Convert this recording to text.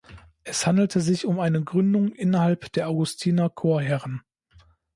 Es handelte sich um eine Gründung innerhalb der Augustiner-Chorherren.